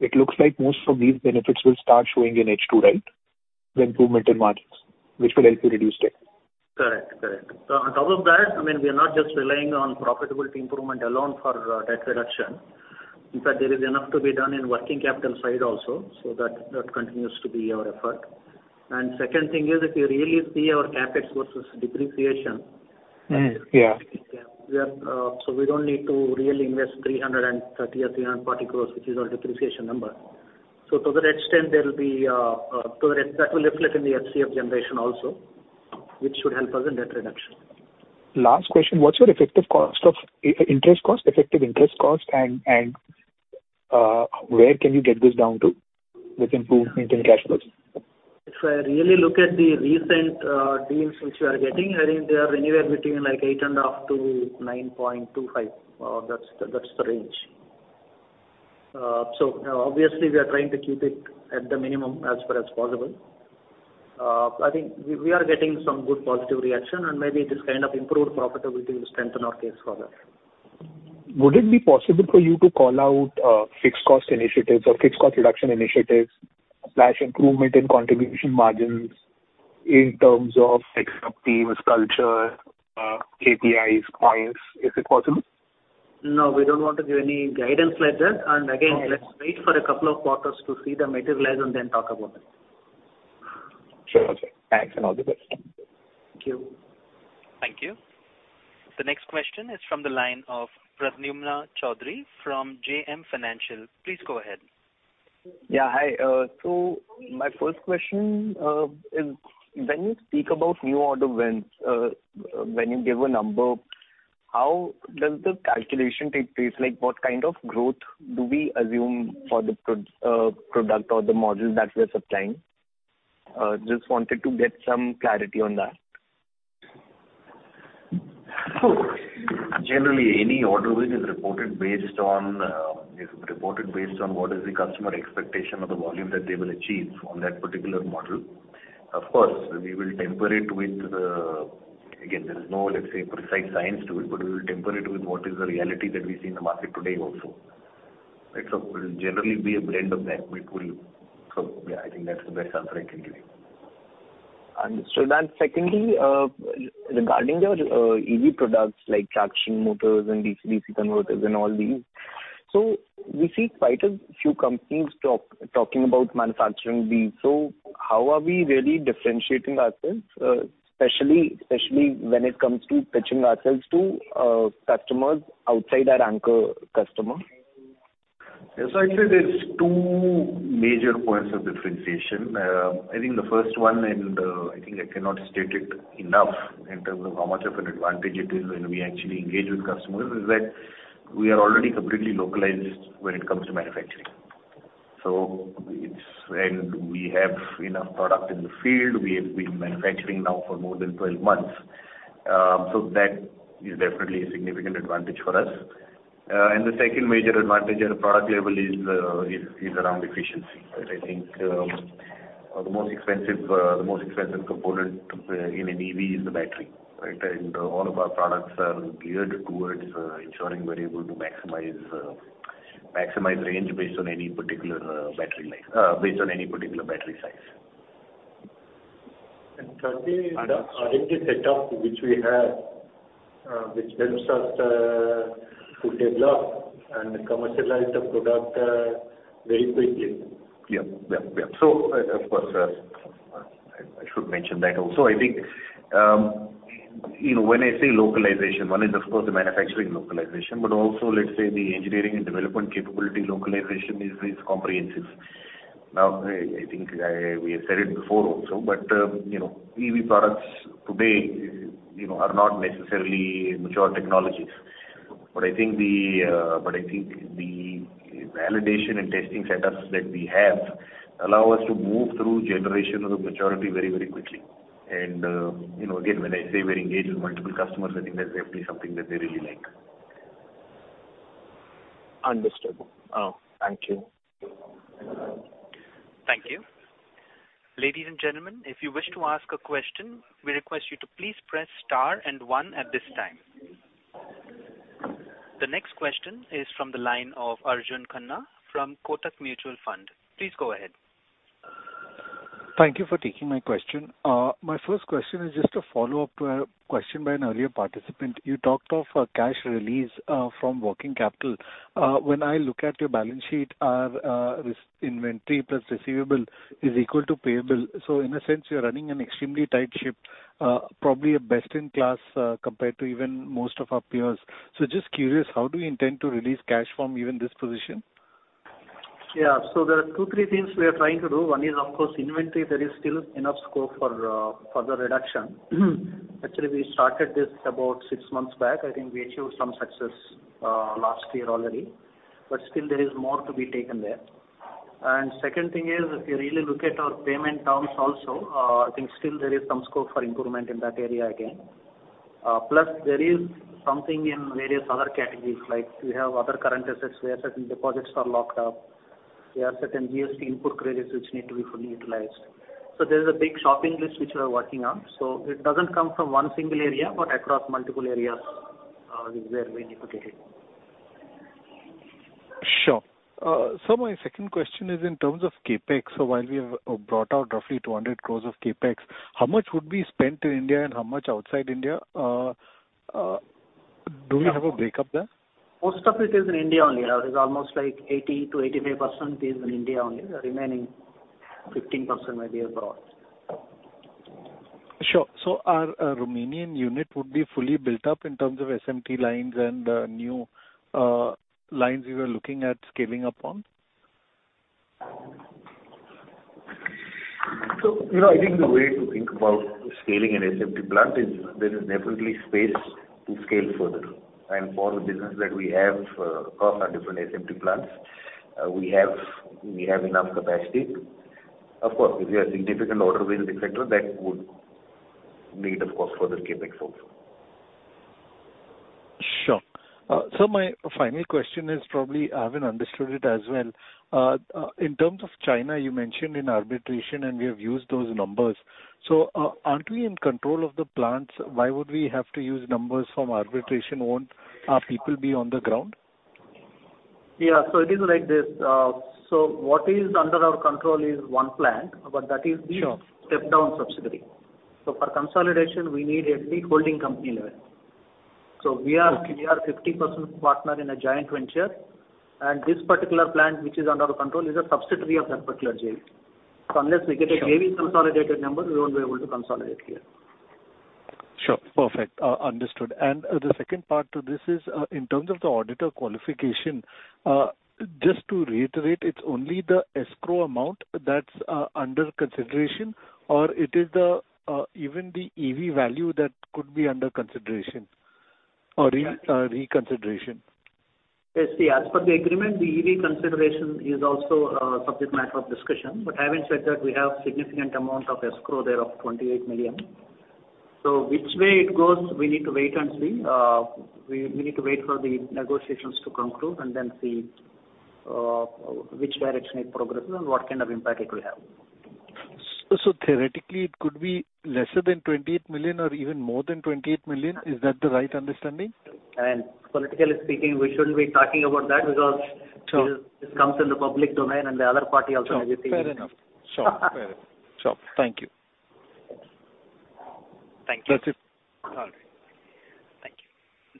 Speaker 14: it looks like most of these benefits will start showing in H2, right? The improvement in margins, which will help you reduce debt.
Speaker 5: Correct. On top of that, I mean, we are not just relying on profitability improvement alone for debt reduction. In fact, there is enough to be done in working capital side also. That continues to be our effort. Second thing is if you really see our CapEx versus depreciation.
Speaker 14: Yeah.
Speaker 5: Yeah. We don't need to really invest 330 crores or 340 crores, which is our depreciation number. To that extent, there will be, to the extent that will reflect in the FCF generation also, which should help us in debt reduction.
Speaker 14: Last question, what's your effective cost of interest cost, effective interest cost? Where can you get this down to with improved maintain cash flows?
Speaker 5: If I really look at the recent deals which we are getting, I mean, they are anywhere between like 8.5%-9.25%. That's the range. Obviously we are trying to keep it at the minimum as far as possible. I think we are getting some good positive reaction, maybe this kind of improved profitability will strengthen our case further.
Speaker 14: Would it be possible for you to call out, fixed cost initiatives or fixed cost reduction initiatives/improvement in contribution margins in terms of like sub-teams, culture, KPIs, points? Is it possible?
Speaker 5: No, we don't want to give any guidance like that.
Speaker 14: Okay.
Speaker 5: Again, let's wait for a couple of quarters to see them materialize and then talk about that.
Speaker 14: Sure. Sure. Thanks and all the best.
Speaker 5: Thank you.
Speaker 1: Thank you. The next question is from the line of Pradyumna Choudhary from JM Financial. Please go ahead.
Speaker 15: Yeah, hi. My first question is when you speak about new order wins, when you give a number, how does the calculation take place? Like, what kind of growth do we assume for the product or the modules that we are supplying? Just wanted to get some clarity on that.
Speaker 7: Generally any order win is reported based on what is the customer expectation of the volume that they will achieve on that particular model. Of course, we will temper it with, again, there is no, let's say, precise science to it, but we will temper it with what is the reality that we see in the market today also, right? It will generally be a blend of that we pull. Yeah, I think that's the best answer I can give you.
Speaker 15: Understood. Secondly, regarding your EV products like traction motors and DC-DC converters and all these, we see quite a few companies talking about manufacturing these. How are we really differentiating ourselves, especially when it comes to pitching ourselves to customers outside our anchor customer?
Speaker 7: Yes. I'd say there's two major points of differentiation. I think the first one, I think I cannot state it enough in terms of how much of an advantage it is when we actually engage with customers, is that we are already completely localized when it comes to manufacturing. We have enough product in the field. We've been manufacturing now for more than 12 months. That is definitely a significant advantage for us. The second major advantage at a product level is around efficiency, right? I think the most expensive component in an EV is the battery, right? All of our products are geared towards ensuring we're able to maximize range based on any particular battery life, based on any particular battery size.
Speaker 15: Thirdly...
Speaker 4: R&D setup which we have, which helps us to develop and commercialize the product very quickly.
Speaker 7: Yeah. Yeah. Yeah. Of course, I should mention that also. I think, you know, when I say localization, one is of course the manufacturing localization, but also let's say the engineering and development capability localization is comprehensive. Now, I think we have said it before also, but, you know, EV products today, you know, are not necessarily mature technologies. I think the validation and testing centers that we have allow us to move through generational maturity very, very quickly. You know, again, when I say we're engaged with multiple customers, I think that's definitely something that they really like.
Speaker 15: Understood. Thank you.
Speaker 1: Thank you. Ladies and gentlemen, if you wish to ask a question, we request you to please press star and one at this time. The next question is from the line of Arjun Khanna from Kotak Mutual Fund. Please go ahead.
Speaker 16: Thank you for taking my question. My first question is just a follow-up to a question by an earlier participant. You talked of a cash release from working capital. When I look at your balance sheet, this inventory plus receivable is equal to payable. In a sense, you're running an extremely tight ship, probably a best in class, compared to even most of our peers. Just curious, how do you intend to release cash from even this position?
Speaker 5: There are two, three things we are trying to do. One is of course inventory. There is still enough scope for further reduction. Actually, we started this about 6 months back. I think we achieved some success last year already, but still there is more to be taken there. Second thing is, if you really look at our payment terms also, I think still there is some scope for improvement in that area again. Plus there is something in various other categories, like we have other current assets where certain deposits are locked up. There are certain GST input credits which need to be fully utilized. There's a big shopping list which we are working on, so it doesn't come from 1 single area, but across multiple areas is where we need to take it.
Speaker 16: Sure. sir, my second question is in terms of CapEx. While we have brought out roughly 200 crores of CapEx, how much would be spent in India and how much outside India? Do we have a break up there?
Speaker 5: Most of it is in India only. It is almost like 80%-85% is in India only. The remaining 15% might be abroad.
Speaker 16: Sure. Our Romanian unit would be fully built up in terms of SMT lines and new lines you were looking at scaling up on?
Speaker 7: You know, I think the way to think about scaling an SMT plant is there is definitely space to scale further. For the business that we have across our different SMT plants, we have enough capacity. Of course, if we have significant order wins, et cetera, that would need, of course, further CapEx also.
Speaker 16: Sure. My final question is probably I haven't understood it as well. In terms of China, you mentioned in arbitration, and we have used those numbers. Aren't we in control of the plants? Why would we have to use numbers from arbitration? Won't our people be on the ground?
Speaker 5: Yeah. It is like this. What is under our control is one plant.
Speaker 16: Sure....
Speaker 5: step-down subsidiary. For consolidation, we need it at the holding company level.
Speaker 16: Okay.
Speaker 5: We are 50% partner in a joint venture, and this particular plant, which is under our control, is a subsidiary of that particular JV. Unless we get
Speaker 16: Sure....
Speaker 5: heavy consolidated number, we won't be able to consolidate here.
Speaker 16: Sure. Perfect. understood. The second part to this is, in terms of the auditor qualification, just to reiterate, it's only the escrow amount that's, under consideration, or it is the, even the EV value that could be under consideration?
Speaker 5: That-...
Speaker 16: or reconsideration?
Speaker 5: Yes. See, as per the agreement, the EV consideration is also subject matter of discussion. Having said that, we have significant amount of escrow there of 28 million. Which way it goes, we need to wait and see. We need to wait for the negotiations to conclude and then see which direction it progresses and what kind of impact it will have.
Speaker 16: Theoretically, it could be lesser than 28 million or even more than 28 million. Is that the right understanding?
Speaker 5: Politically speaking, we shouldn't be talking about that because -
Speaker 16: Sure.
Speaker 5: - it comes in the public domain and the other party also may be seeing it.
Speaker 16: Sure, fair enough. Sure, fair enough. Sure. Thank you.
Speaker 4: Thank you.
Speaker 16: That's it.
Speaker 4: All right.
Speaker 1: Thank you.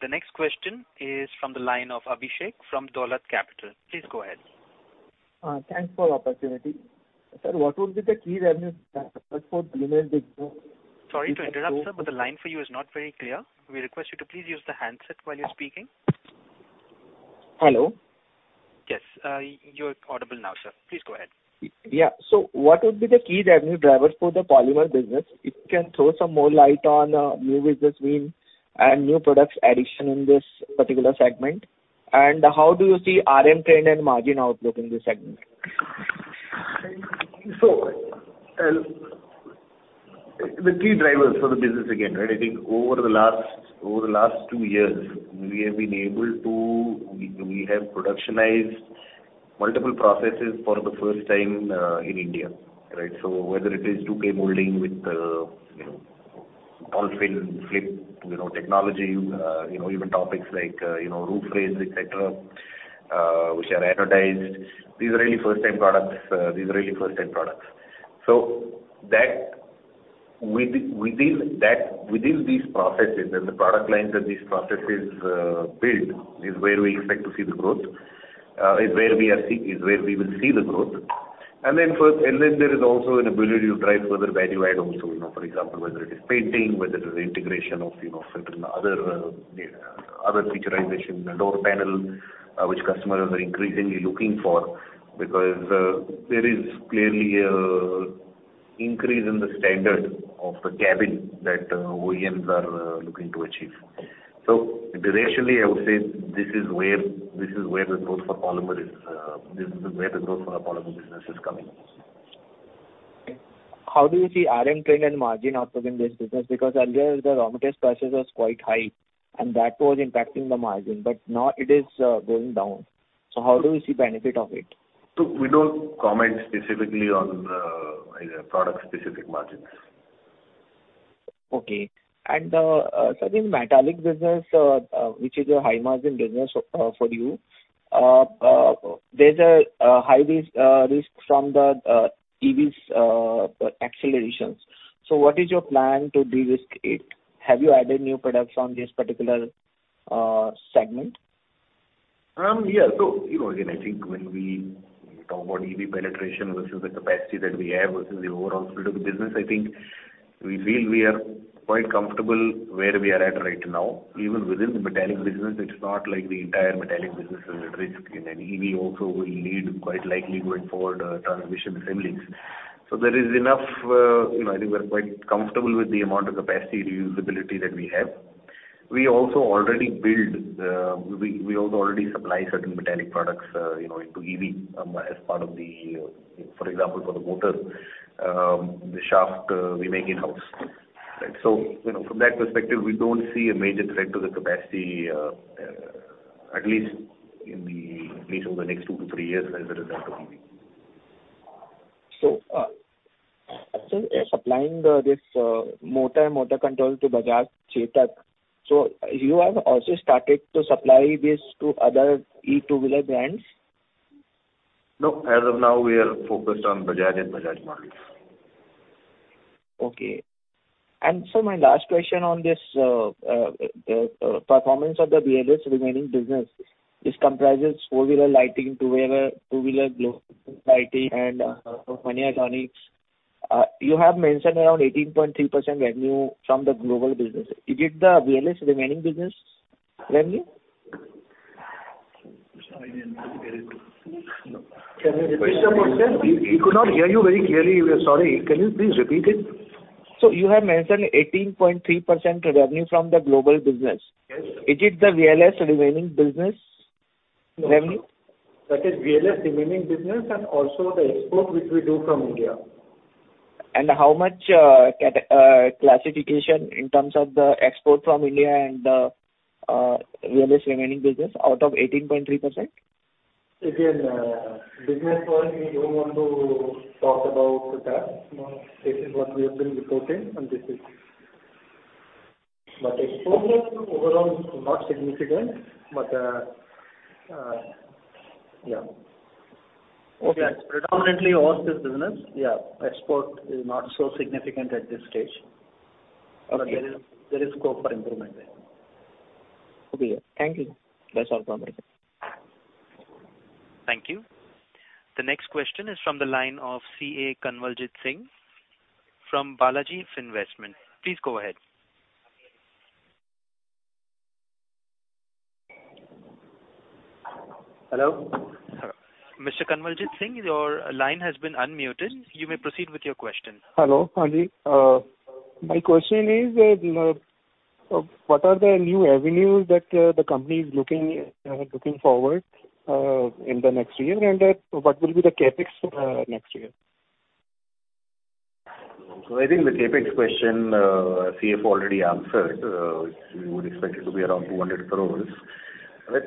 Speaker 1: The next question is from the line of Abhishek from Dolat Capital. Please go ahead.
Speaker 17: Thanks for opportunity. Sir, what would be the key revenue drivers for polymers business?
Speaker 1: Sorry to interrupt, sir. The line for you is not very clear. We request you to please use the handset while you're speaking.
Speaker 17: Hello.
Speaker 1: Yes. You're audible now, sir. Please go ahead.
Speaker 17: yeah. What would be the key revenue drivers for the polymer business? If you can throw some more light on new business wins and new products addition in this particular segment. How do you see RM trend and margin outlook in this segment?
Speaker 7: The key drivers for the business again, right? I think over the last, over the last two years, we have been able to... We have productionized multiple processes for the first time in India, right? Whether it is two-way molding with, you know, all-fin flip, you know, technology, you know, even topics like, you know, roof rails, et cetera, which are advertised. These are really first-time products. That within these processes and the product lines that these processes build is where we expect to see the growth, is where we will see the growth. First, there is also an ability to drive further value add also, you know, for example, whether it is painting, whether it is integration of, you know, certain other data, other featurization, the door panel, which customers are increasingly looking for because there is clearly a increase in the standard of the cabin that OEMs are looking to achieve. Directionally, I would say this is where, this is where the growth for polymer is, this is where the growth for our polymer business is coming.
Speaker 17: How do you see RM trend and margin outlook in this business? Earlier the raw material prices was quite high, and that was impacting the margin, but now it is going down. How do you see benefit of it?
Speaker 7: We don't comment specifically on, product specific margins.
Speaker 17: Okay. sir, in metallic business, which is a high margin business for you, there's a high risk from the EVs accelerations. What is your plan to de-risk it? Have you added new products on this particular segment?
Speaker 7: Yeah. You know, again, I think when we talk about EV penetration versus the capacity that we have versus the overall split of the business, I think we feel we are quite comfortable where we are at right now. Even within the metallic business, it's not like the entire metallic business is at risk, and an EV also will need quite likely going forward, transmission assemblies. There is enough, you know, I think we're quite comfortable with the amount of capacity reusability that we have. We also already build, we also already supply certain metallic products, you know, into EV, as part of the for example, for the motor, the shaft, we make in-house. Right. You know, from that perspective, we don't see a major threat to the capacity, at least over the next 2-3 years as a result of EV.
Speaker 17: Sir, supplying the, this, motor and motor control to Bajaj Chetak, so you have also started to supply this to other E 2-wheeler brands?
Speaker 7: No. As of now, we are focused on Bajaj and Bajaj markets.
Speaker 17: Okay. Sir, my last question on this performance of the VLS remaining business. This comprises 4-wheeler lighting, 2-wheeler global lighting and electronics. You have mentioned around 18.3% revenue from the global business. Is it the VLS remaining business revenue?
Speaker 7: I didn't get it.
Speaker 1: Mr. Abhishek, we could not hear you very clearly. We are sorry. Can you please repeat it?
Speaker 17: You have mentioned 18.3% revenue from the global business.
Speaker 7: Yes, sir.
Speaker 17: Is it the VLS remaining business revenue?
Speaker 7: That is VLS remaining business and also the export which we do from India.
Speaker 17: How much classification in terms of the export from India and the VLS remaining business out of 18.3%?
Speaker 7: Business-wise, we don't want to talk about that. This is what we have been reporting, and this is. Export is overall not significant. Yeah.
Speaker 17: Okay.
Speaker 7: Yeah. It's predominantly office business. Yeah. Export is not so significant at this stage.
Speaker 17: Okay.
Speaker 7: There is scope for improvement there.
Speaker 17: Okay. Thank you. That's all from my side.
Speaker 1: Thank you. The next question is from the line of CA Kanwaljit Singh from Balaji Fininvestment. Please go ahead.
Speaker 18: Hello.
Speaker 1: Mr. Kanwaljit Singh, your line has been unmuted. You may proceed with your question.
Speaker 18: Hello. Arjun, my question is, what are the new avenues that the company is looking forward in the next year, and what will be the CapEx next year?
Speaker 7: I think the CapEx question, CF already answered. We would expect it to be around 200 crores. You know,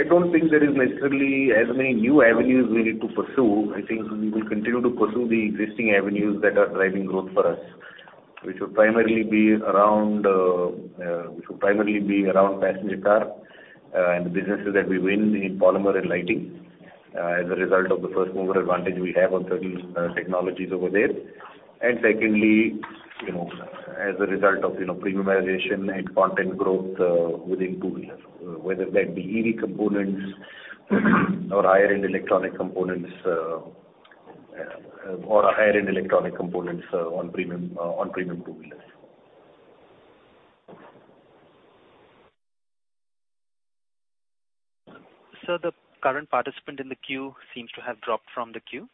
Speaker 7: I don't think there is necessarily as many new avenues we need to pursue. I think we will continue to pursue the existing avenues that are driving growth for us. Which will primarily be around passenger car, and the businesses that we win in Polymer and Lighting, as a result of the first mover advantage we have on certain technologies over there. Secondly, you know, as a result of, you know, premiumization and content growth, within 2-wheeler, whether that be EV components or higher-end electronic components on premium 2-wheelers.
Speaker 1: Sir, the current participant in the queue seems to have dropped from the queue.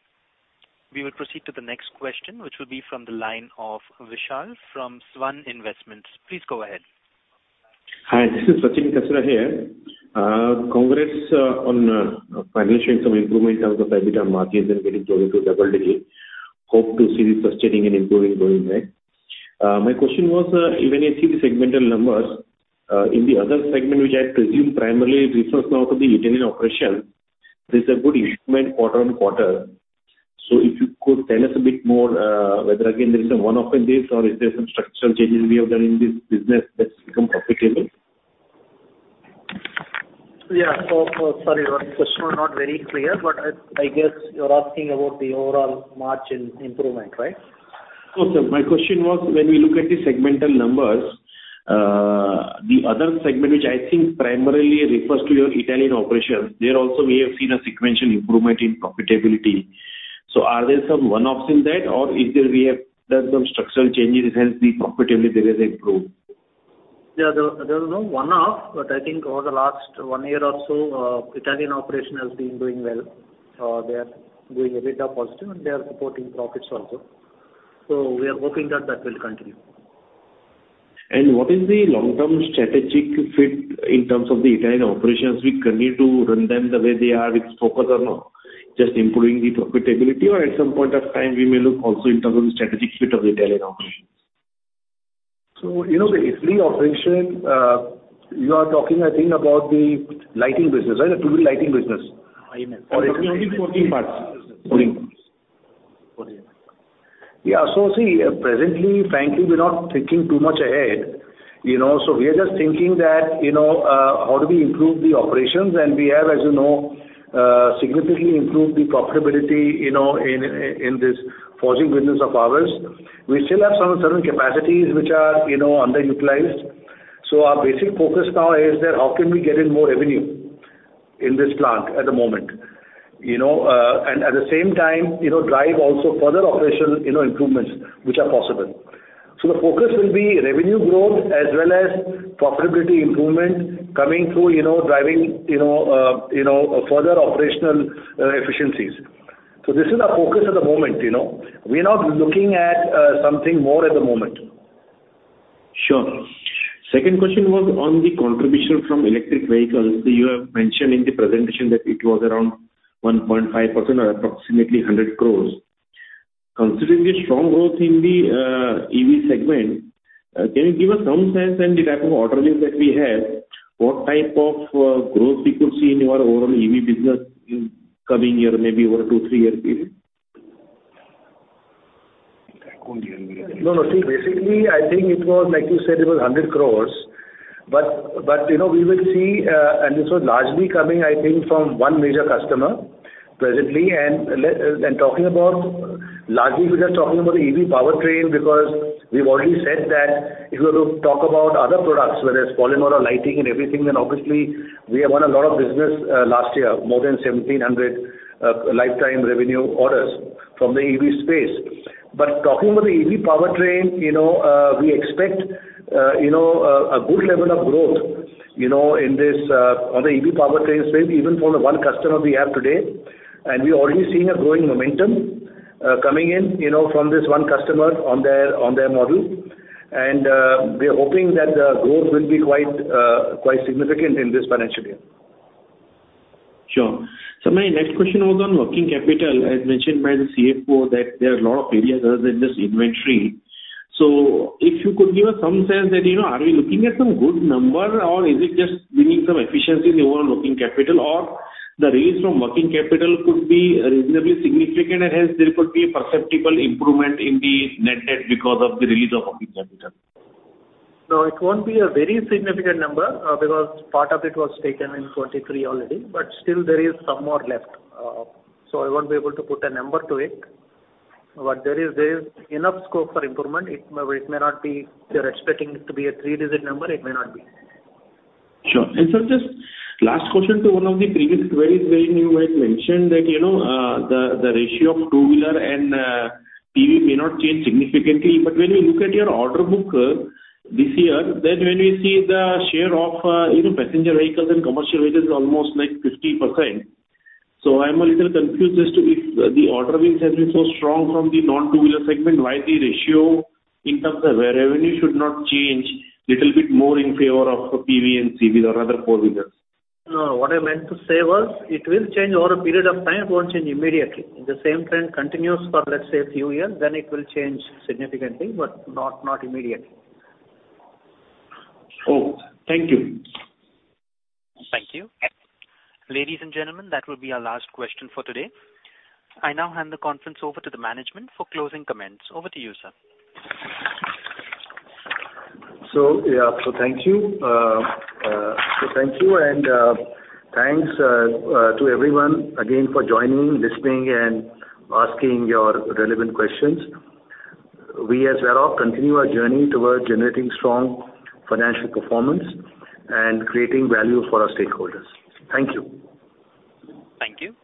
Speaker 1: We will proceed to the next question, which will be from the line of Vishal from Svan Investments. Please go ahead.
Speaker 19: Hi, this is Sachin Kasera here. Congrats on financially some improvement in terms of EBITDA margins and getting close to double digits. Hope to see this sustaining and improving going ahead. My question was, when you see the segmental numbers, in the other segment, which I presume primarily refers now to the Italian operations, there's a good improvement quarter-on-quarter. If you could tell us a bit more, whether again there is some one-off in this or is there some structural changes you have done in this business that's become profitable?
Speaker 7: Yeah. Sorry, your question was not very clear. I guess you're asking about the overall margin improvement, right?
Speaker 19: No, sir. My question was, when we look at the segmental numbers, the other segment which I think primarily refers to your Italian operations, there also we have seen a sequential improvement in profitability. Are there some one-offs in that or is there we have done some structural changes, hence the profitability there has improved?
Speaker 7: Yeah. There was no one-off, I think over the last one year or so, Italian operation has been doing well. They are doing a bit of positive. They are supporting profits also. We are hoping that that will continue.
Speaker 19: What is the long-term strategic fit in terms of the Italian operations? We continue to run them the way they are with focus or no, just improving the profitability or at some point of time we may look also in terms of the strategic fit of the Italian operations?
Speaker 7: You know, the Italy operation, you are talking I think about the lighting business, right? The two-wheel lighting business.
Speaker 19: I am talking about the forging parts business. Forging.
Speaker 7: See, presently, frankly, we're not thinking too much ahead, you know. We are just thinking that, you know, how do we improve the operations. We have, as you know, significantly improved the profitability, you know, in, in this forging business of ours. We still have some certain capacities which are, you know, underutilized. Our basic focus now is that how can we get in more revenue in this plant at the moment, you know. At the same time, you know, drive also further operational, you know, improvements which are possible. The focus will be revenue growth as well as profitability improvement coming through, you know, driving, you know, further operational, efficiencies. This is our focus at the moment, you know. We're not looking at, something more at the moment.
Speaker 19: Sure. Second question was on the contribution from electric vehicles. You have mentioned in the presentation that it was around 1.5% or approximately 100 crores. Considering the strong growth in the EV segment, can you give us some sense in the type of order base that we have, what type of growth we could see in your overall EV business in coming year, maybe over 2-3 year period?
Speaker 7: No, no. See, basically, I think it was like you said, it was 100 crores. You know, we will see, and this was largely coming, I think, from one major customer presently. Talking about, largely we're just talking about the EV powertrain because we've already said that if you have to talk about other products, whether it's polymer or lighting and everything, then obviously we have won a lot of business last year, more than 1,700 lifetime revenue orders from the EV space. Talking about the EV powertrain, you know, we expect, you know, a good level of growth, you know, in this, on the EV powertrain space, even from the one customer we have today. We're already seeing a growing momentum, coming in, you know, from this one customer on their, on their model. We are hoping that the growth will be quite significant in this financial year.
Speaker 19: Sure. My next question was on working capital, as mentioned by the CFO that there are a lot of areas other than just inventory. If you could give us some sense that, you know, are we looking at some good number or is it just bringing some efficiency in the overall working capital or the raise from working capital could be reasonably significant and hence there could be a perceptible improvement in the net debt because of the release of working capital?
Speaker 7: No, it won't be a very significant number because part of it was taken in 2023 already, but still there is some more left. I won't be able to put a number to it. There is enough scope for improvement. It may not be, if you're expecting it to be a three-digit number, it may not be.
Speaker 19: Sure. Sir, just last question to one of the previous queries where you had mentioned that, you know, the ratio of 2-wheeler and PV may not change significantly. When we look at your order book this year, then when we see the share of, you know, passenger vehicles and commercial vehicles almost like 50%. I'm a little confused as to if the order wins has been so strong from the non-2-wheeler segment, why the ratio in terms of where revenue should not change little bit more in favor of PV and CV or rather 4-wheelers?
Speaker 7: No. What I meant to say was it will change over a period of time. It won't change immediately. If the same trend continues for, let's say, a few years, then it will change significantly, but not immediately.
Speaker 19: Cool. Thank you.
Speaker 1: Thank you. Ladies and gentlemen, that will be our last question for today. I now hand the conference over to the management for closing comments. Over to you, sir.
Speaker 4: Yeah, so thank you. Thank you and thanks to everyone again for joining, listening and asking your relevant questions. We at Varroc continue our journey towards generating strong financial performance and creating value for our stakeholders. Thank you.
Speaker 1: Thank you.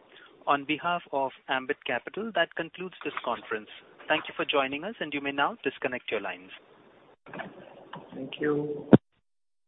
Speaker 1: On behalf of Ambit Capital, that concludes this conference. Thank you for joining us, and you may now disconnect your lines.
Speaker 4: Thank you.